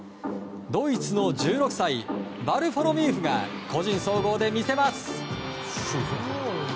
ドイツの１６歳ヴァルフォロミーフが個人総合で見せます。